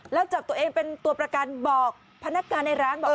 แล้วจับตัวเองเป็นตัวประกันบอกพนักงานในร้านบอก